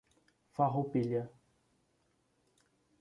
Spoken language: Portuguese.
Farroupilha